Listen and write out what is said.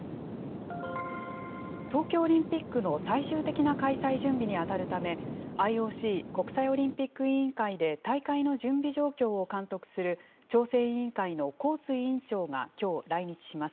東京オリンピックの最終的な開催準備に当たるため、ＩＯＣ・国際オリンピック委員会で大会の準備状況を監督する、調整委員会のコーツ委員長がきょう、来日します。